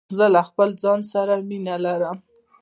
زه له خپل ځان سره مینه لرم.